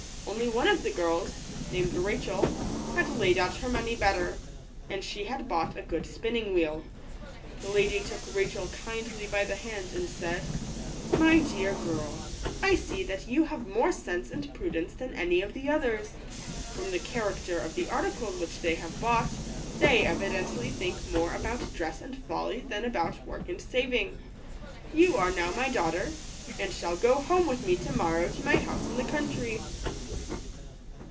Only one of the girls, named Rachel, had laid out her money better ; and she had bought a good spinning wheel. The lady took Rachel kindly by the hand, and said, 66 My dear girl, I see that you have more sense and prudence than any of the others. From the character of the articles which they have bought, they evidently think more about dress and folly than about work and saving. You are now my daughter, and shall go home with me to morrow to my house in the country."